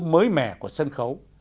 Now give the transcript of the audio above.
mới mẻ của sân khấu